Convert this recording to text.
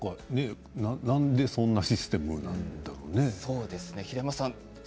なんでそんなシステムなんだろう？